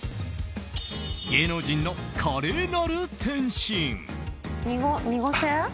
芸能人の華麗なる転身。